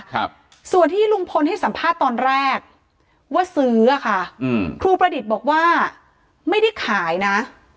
ครับส่วนที่ลุงพลให้สัมภาษณ์ตอนแรกว่าซื้ออ่ะค่ะอืมครูประดิษฐ์บอกว่าไม่ได้ขายนะ